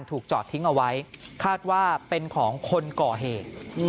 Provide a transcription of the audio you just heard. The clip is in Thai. จอดทิ้งเอาไว้คาดว่าเป็นของคนก่อเหตุ